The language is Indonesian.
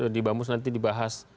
di bamus nanti dibahas